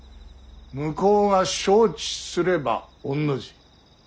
向こうが承知すれば御の字。